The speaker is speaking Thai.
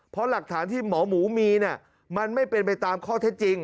เพราะหลักฐานที่หมอหมูมีมันไม่เป็นไปตามข้อเท็จจริง